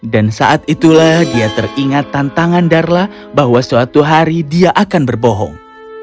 dan saat itulah dia teringat tantangan darla bahwa suatu hari dia akan berbohong